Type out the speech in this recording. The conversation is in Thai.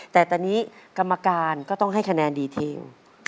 แต่ตอนนี้กรรมการก็ต้องให้คะแนนดีเทล